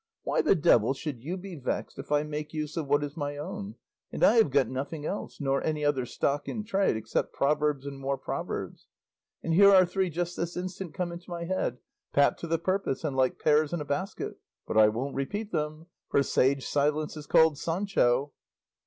Why the devil should you be vexed if I make use of what is my own? And I have got nothing else, nor any other stock in trade except proverbs and more proverbs; and here are three just this instant come into my head, pat to the purpose and like pears in a basket; but I won't repeat them, for 'sage silence is called Sancho.